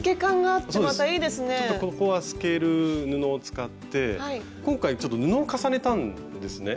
ちょっとここは透ける布を使って今回ちょっと布を重ねたんですね